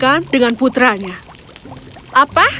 kalau semuanya lancar kau akan menemukan ayahmu